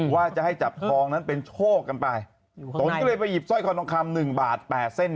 ว่าจะให้จับทองนั้นเป็นโชคกันไปตนก็เลยไปหยิบสร้อยคอทองคำหนึ่งบาทแปดเส้น